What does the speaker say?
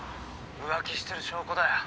浮気してる証拠だよ。